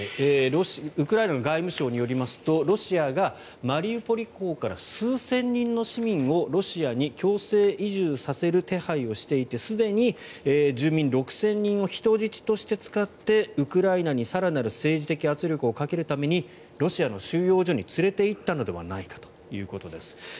ウクライナの外務省によりますとロシアがマリウポリ港から数千人の市民をロシアに強制移住させる手配をしていてすでに住民６０００人を人質として使ってウクライナに更なる政治的圧力をかけるためにロシアの収容所に連れていったのではないかということです。